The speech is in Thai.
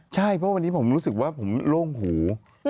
ใช่เพราะวันนี้ผมรู้สึกว่าผมโล่งหู